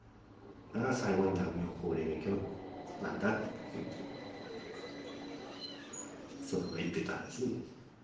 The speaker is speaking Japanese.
だから最後に「南無妙法蓮華経」なんだって祖父は言ってたんですね。